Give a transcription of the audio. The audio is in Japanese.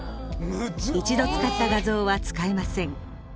一度使った画像は使えません。